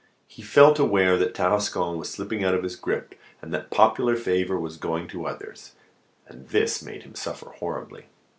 He felt aware that Tarascon was slipping out of his grip, and that popular favour was going to others; and this made him suffer horribly.